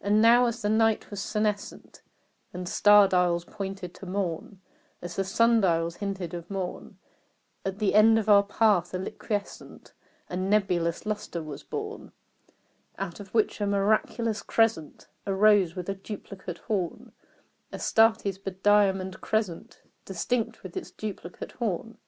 And now as the night was senescent And star dials pointed to morn As the sun dials hinted of morn At the end of our path a liquescent And nebulous lustre was born, Out of which a miraculous crescent Arose with a duplicate horn Astarte's bediamonded crescent Distinct with its duplicate horn.